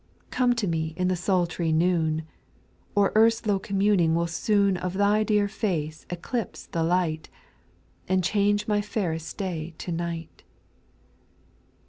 J 2. / Come to me in the sultry noon, Or earth's low communing will soon Of Thy dear face eclipse the light, And change my fairest day to night.